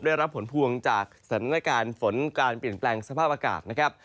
ได้รับผลพวงจากสถานการณ์ฝนการเปลี่ยนแปลงสภาพอากาศนะครับ